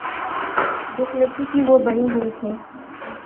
جس مٹی کی وہ بنی ہوئی تھیں۔